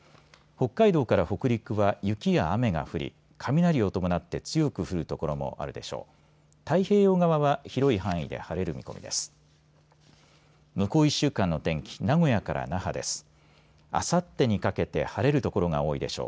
北海道から北陸は雪や雨が降り雷を伴って強く降る所もあるでしょう。